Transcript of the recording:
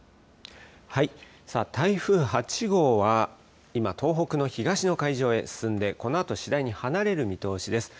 台風８号は今、東北の東の海上へ進んで、このあと次第に離れる見通しです。